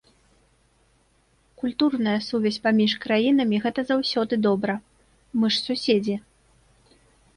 Культурная сувязь паміж краінамі гэта заўсёды добра, мы ж суседзі.